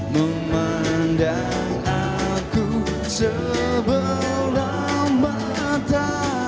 memandang aku sebelah mata